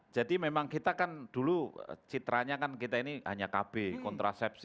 jadi memang kita kan dulu citranya kan kita ini hanya kb kontrasepsi